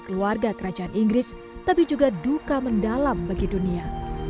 keluarga kerajaan inggris tapi juga duka mendalam bagi dunia